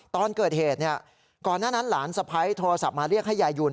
ตอนเกิดเหตุก่อนหน้านั้นหลานสะพ้ายโทรศัพท์มาเรียกให้ยายยุน